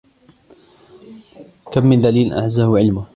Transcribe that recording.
كَمْ مِنْ ذَلِيلٍ أَعَزَّهُ عِلْمُهُ